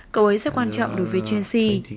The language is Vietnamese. cậu ấy rất quan trọng đối với chelsea